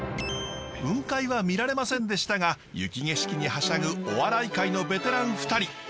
雲海は見られませんでしたが雪景色にはしゃぐお笑い界のベテラン２人。